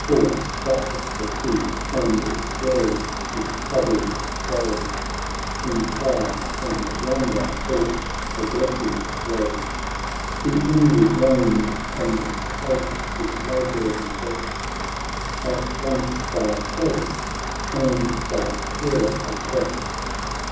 Awe struck the Chief, and swells his troubled soul, In pride and wonder thoughts pro gressive roll. He inly groaned and smote his labouring breast. At once by Pallas and by care opprest.